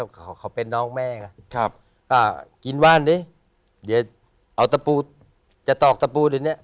เขาเขาเป็นน้องแม่ไงครับอ่ากินว่านดิเดี๋ยวเอาตะปูจะตอกตะปูเดี๋ยวเนี้ย